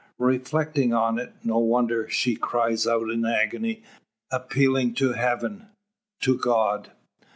Reflecting on it, no wonder she cries out in agony, appealing to heaven to God!